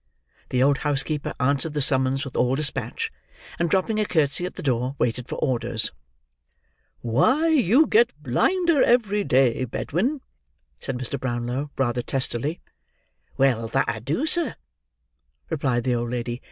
The old housekeeper answered the summons with all dispatch; and dropping a curtsey at the door, waited for orders. "Why, you get blinder every day, Bedwin," said Mr. Brownlow, rather testily. "Well, that I do, sir," replied the old lady.